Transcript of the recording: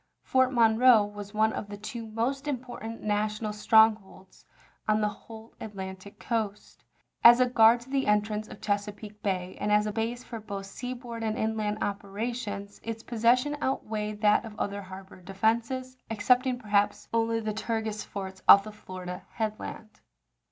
Fort Monroe was one of the two most important national strongholds on the whole At lantic coast. As a guard to the entrance of Chesa peake Bay, and as a base for both seaboard and inland operations, its possession outweighed that of other harbor defenses, excepting, perhaps, only the Tortugas forts off the Florida headland.